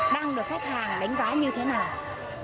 đang được khách hàng đánh giá như thế nào